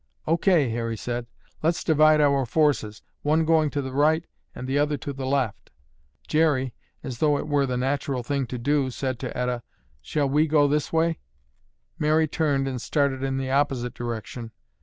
"O. K.," Harry said. "Let's divide our forces, one going to the right and the other to the left." Jerry, as though it were the natural thing to do, said to Etta, "Shall we go this way?" Mary turned and started in the opposite direction.